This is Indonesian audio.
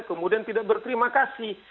kemudian tidak berterima kasih